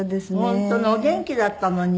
本当にお元気だったのにね。